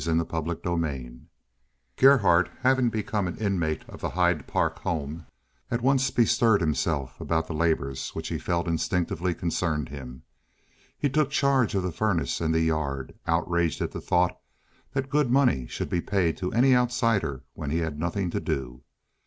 CHAPTER XXXVIII Gerhardt, having become an inmate of the Hyde Park home, at once bestirred himself about the labors which he felt instinctively concerned him. He took charge of the furnace and the yard, outraged at the thought that good money should be paid to any outsider when he had nothing to do.